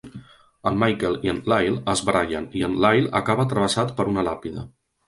En Michael i en Lyle es barallen, i en Lyle acaba travessat per una làpida.